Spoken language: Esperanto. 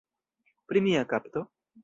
Pri nia kapto?